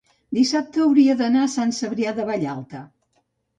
dissabte hauria d'anar a Sant Cebrià de Vallalta.